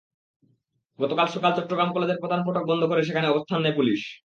গতকাল সকালে চট্টগ্রাম কলেজের প্রধান ফটক বন্ধ করে সেখানে অবস্থান নেয় পুলিশ।